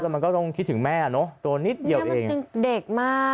แล้วมันก็ต้องคิดถึงแม่เนอะตัวนิดเดียวเองเนี้ยมันคือเด็กมาก